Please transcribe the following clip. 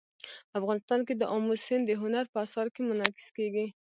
افغانستان کې آمو سیند د هنر په اثار کې منعکس کېږي.